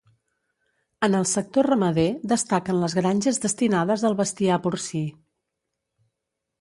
En el sector ramader destaquen les granges destinades al bestiar porcí.